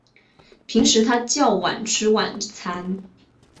平时他较晚吃晚餐